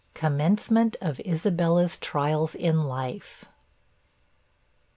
COMMENCEMENT OF ISABELLA'S TRIALS IN LIFE.